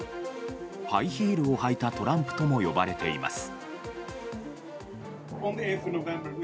ハイヒールを履いたトランプとも呼ばれています。